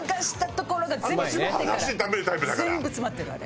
全部詰まってるあれ。